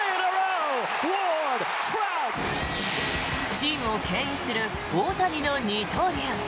チームをけん引する大谷の二刀流。